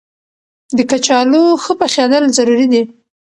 د کچالو ښه پخېدل ضروري دي.